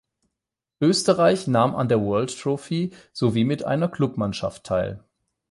Österreich nahm an der World Trophy sowie mit einer Clubmannschaft teil.